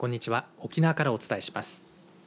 沖縄からお伝えします。